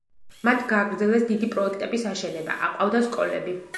მათ გააგრძელეს დიდი პროექტების აშენება, აყვავდა სკოლები.